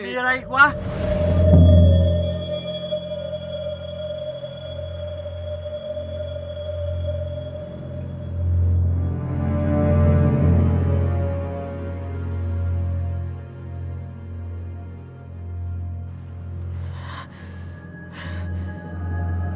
มีอะไรอีกวะ